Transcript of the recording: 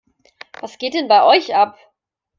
Was geht denn bei euch ab?